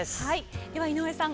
では井上さん